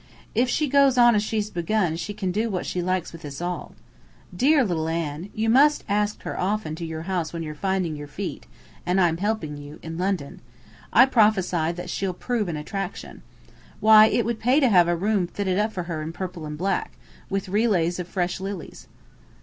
If she goes on as she's begun she can do what she likes with us all. Dear little Anne, you must ask her often to your house when you're 'finding your feet' and I'm helping you in London. I prophesy that she'll prove an attraction. Why, it would pay to have a room fitted up for her in purple and black, with relays of fresh lilies."